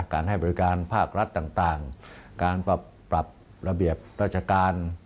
การให้บริการภาครัฐต่างการปรับระเบียบราชการ